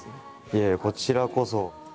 いえいえこちらこそ。